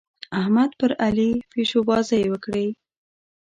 احمد پر علي پيشوبازۍ وکړې.